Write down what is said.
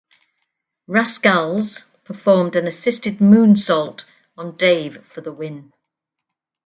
Rascalz performed an assisted moonsault on Dave for the win.